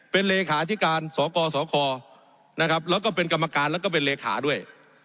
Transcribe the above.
เป็นเลขาธิการสกสคนะครับแล้วก็เป็นกรรมการแล้วก็เป็นเลขาด้วย